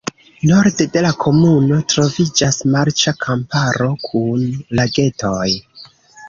Norde de la komunumo troviĝas marĉa kamparo kun lagetoj.